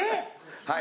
はい。